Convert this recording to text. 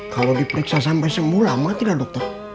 kalau diperiksa sampai semula mati dah dokter